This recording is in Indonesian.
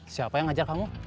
siapa yang ngajar kamu